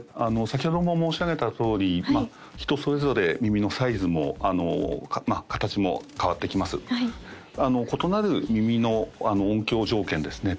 先ほども申し上げたとおり人それぞれ耳のサイズも形も変わってきます異なる耳の音響条件ですね